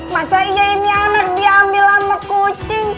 masa iya ini anak diambil sama kucing